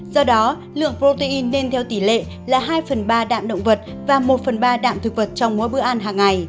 do đó lượng protein nên theo tỷ lệ là hai phần ba đạm động vật và một phần ba đạm thực vật trong mỗi bữa ăn hàng ngày